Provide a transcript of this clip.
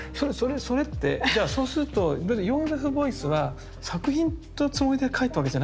それってじゃあそうするとだってヨーゼフ・ボイスは作品のつもりでかいたわけじゃないですよね。